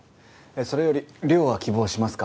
それより寮は希望しますか？